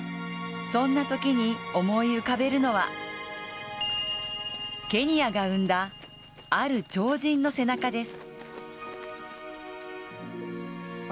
そんなときに思い浮かべるのはケニアが生んだ、ある超人の背中です。